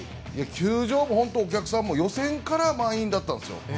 球場もお客さんも予選から満員だったんですよ。